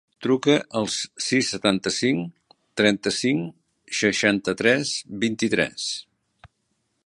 Truca al sis, setanta-cinc, trenta-cinc, seixanta-tres, vint-i-tres.